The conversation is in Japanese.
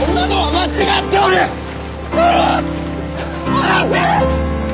離せ！